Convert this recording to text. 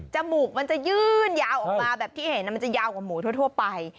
มูกมันจะยื่นยาวออกมาแบบที่เห็นมันจะยาวกว่าหมูทั่วไป